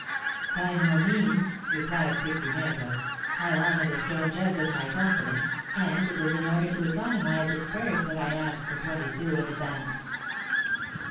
"By no means!" replied Pique Vinaigre. "I honour the stone jug with my confidence, and it is in order to economise its purse that I ask for twenty sous in advance."